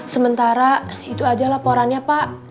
sementara itu aja laporannya pak